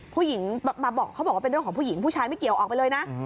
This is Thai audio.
เขาบอกว่าเป็นเรื่องของผู้หญิงผู้ชายไม่เกี่ยวออกไปเลยนะ